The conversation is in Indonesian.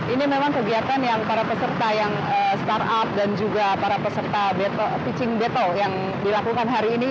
ini memang kegiatan yang para peserta yang startup dan juga para peserta pitching battle yang dilakukan hari ini